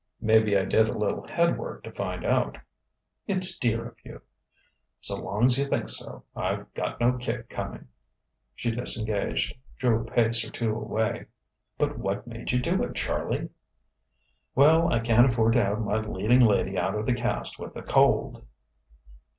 "Maybe I did a little head work to find out." "It's dear of you!" "So long's you think so, I've got no kick coming." She disengaged, drew a pace or two away. "But what made you do it, Charlie?" "Well, I can't afford to have my leading lady out of the cast with a cold."